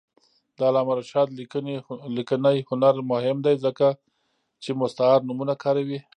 د علامه رشاد لیکنی هنر مهم دی ځکه چې مستعار نومونه کاروي.